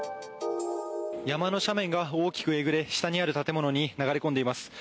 山の斜面が大きくえぐれ下にある建物に流れ込んでいます。